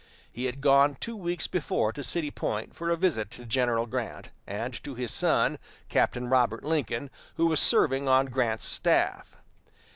He had gone two weeks before to City Point for a visit to General Grant, and to his son, Captain Robert Lincoln, who was serving on Grant's staff.